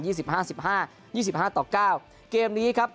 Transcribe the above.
สิบห้าสิบห้ายี่สิบห้าต่อเก้าเกมนี้ครับ